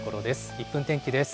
１分天気です。